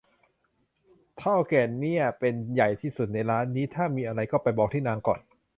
เถ้าแก่เนี้ยเป็นใหญ่ที่สุดในร้านนี้ ถ้ามีอะไรก็ไปบอกที่นางก่อน